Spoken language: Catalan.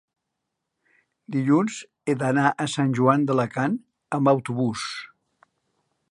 Dilluns he d'anar a Sant Joan d'Alacant amb autobús.